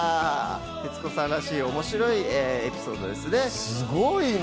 徹子さんらしい面白いエピソードですね。